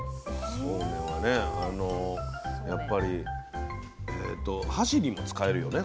そうめんはねあのやっぱりえと箸にも使えるよね。